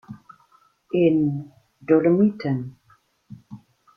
In: "Dolomiten".